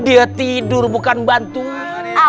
dia tidur bukan bantuan